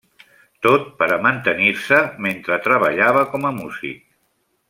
Tot per a mantenir-se mentre treballava com a músic.